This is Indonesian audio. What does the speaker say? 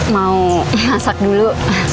mau masak dulu